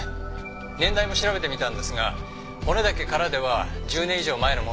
「年代も調べてみたんですが骨だけからでは１０年以上前のものとしか言えません」